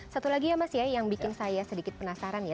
satu lagi ya mas ya yang bikin saya sedikit penasaran ya